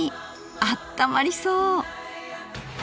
あったまりそう！